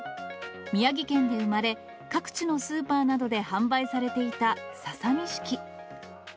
宮城県で生まれ、各地のスーパーなどで販売されていたササニシキ。